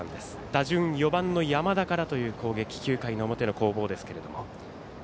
打順４番の山田からという９回表の攻撃ですが。